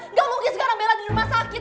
nggak mungkin sekarang bela di rumah sakit